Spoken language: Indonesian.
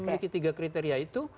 memiliki tiga kriteria itu